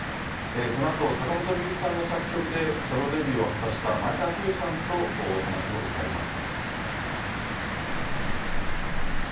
このあと、坂本龍一さんの作曲でソロデビューを果たした前川清さんとお話を伺います。